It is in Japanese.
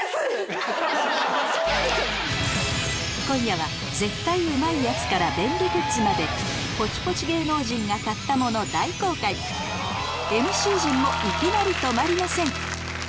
今夜は絶対うまいやつから便利グッズまでポチポチ芸能人が買ったもの大公開ＭＣ陣もいきなり止まりません